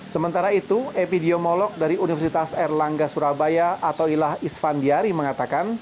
sementara itu epidemiolog dari universitas erlangga surabaya atoilah isvan diari mengatakan